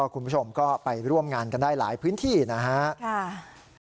คุณผู้ชมก็ไปร่วมงานกันได้หลายพื้นที่นะครับ